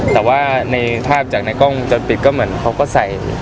แต่ว่าในผิดของในกล้องจรปิดเขาก็ใส่